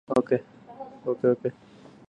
خلق الله للظلام جحيما